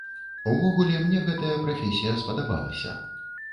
Увогуле, мне гэтая прафесія спадабалася.